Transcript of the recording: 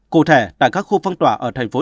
cụ thể tại các khu phong tỏa ở tp hcm